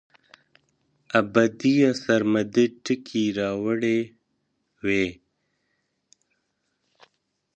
ابدي يا سرمدي ټکي راوړي وے